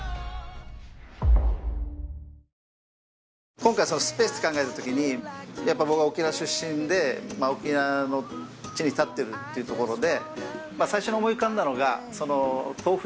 今回スペースって考えた時にやっぱ僕は沖縄出身で沖縄の地に立ってるっていうところで。